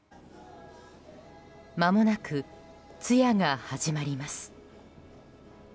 まもなく通夜が始まります。